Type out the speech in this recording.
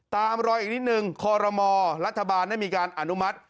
ตามรอยอีกนิดนึงคอรมอรัฐบาลได้มีการอนุมัติ